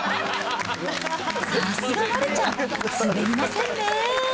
さすが丸ちゃん、滑りませんね。